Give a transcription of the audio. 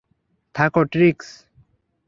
থাকো - ট্রিক্স!